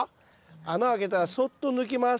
穴開けたらそっと抜きます。